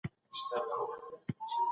اقتصادي پرمختيا د يوه کال کار نه دی.